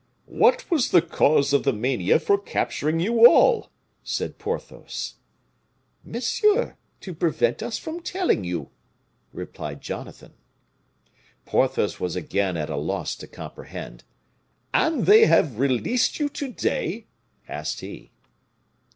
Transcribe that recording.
"What was the cause of the mania for capturing you all?" said Porthos. "Monsieur, to prevent us from telling you," replied Jonathan. Porthos was again at a loss to comprehend. "And they have released you to day?" asked he.